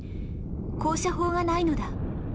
高射砲がないのだ。